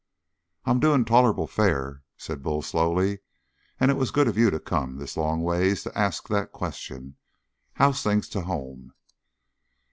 "I'm doing tolerable fair," said Bull slowly, "and it was good of you to come this long ways to ask that question. How's things to home?"